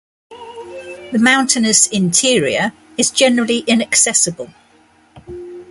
The mountainous interior is generally inaccessible.